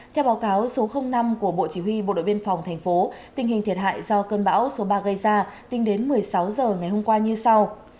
theo báo cáo số năm của bộ chỉ huy bộ đội biên phòng thành phố tình hình thiệt hại do cơn bão số ba gây ra tính đến một mươi sáu h ngày hôm qua như sau